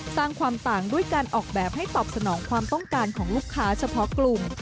สร้างความต่างด้วยการออกแบบให้ตอบสนองความต้องการของลูกค้าเฉพาะกลุ่ม